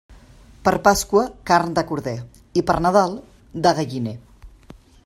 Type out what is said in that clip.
Per Pasqua, carn de corder, i per Nadal, de galliner.